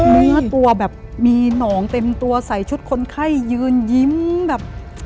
เนื้อตัวแบบมีหนองเต็มตัวใส่ชุดคนไข้ยืนยิ้มแบบ